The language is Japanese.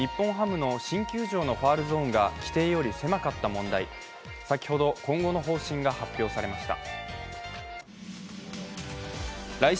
プロ野球日本ハムのファウルゾーンが規定より狭かった問題、先ほど今後の方針が発表されました。